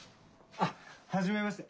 あっはじめまして。